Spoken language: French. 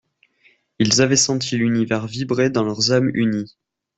Ils avaient senti l'univers vibrer dans leurs âmes unies.